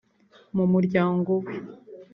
mu muryango we